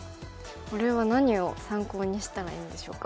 これは何を参考にしたらいいんでしょうか。